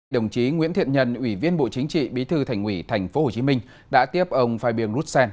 đồng chí nguyễn thiện nhân ủy viên bộ chính trị bí thư thành ủy tp hcm đã tiếp ông fabien roussen